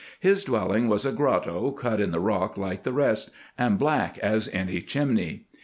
His dwelling was a grotto cut in the rock like the rest, and black as any chimney.